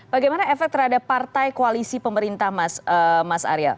bagaimana efek terhadap partai koalisi pemerintah mas arya